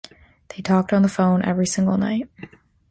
They talked on the phone every single night.